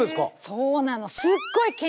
そうなの。